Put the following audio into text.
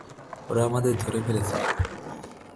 ওরা আমাদের ধরে ফেলেছে!